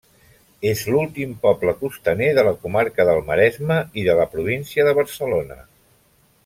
És l'últim poble costaner de la comarca del Maresme i de la província de Barcelona.